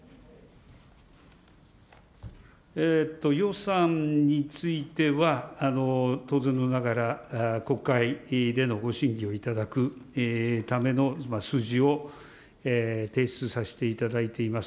予算については、当然ながら、国会で審議をいただくための今、数字を提出させていただいています。